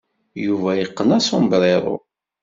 Yuba yeqqen asombrero.